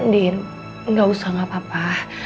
din gak usah gak apa apa